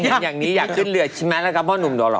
อย่างนี้อยากขึ้นเรือใช่ไหมล่ะครับพ่อหนุ่มดอหล